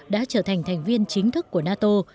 đã trở thành thành viên chính thức của nato